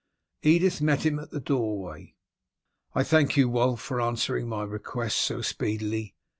Edith met him at the doorway. "I thank you, Wulf, for answering my request so speedily.